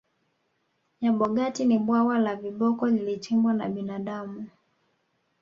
nyabogati ni bwawa la viboko lilichimbwa na binadamu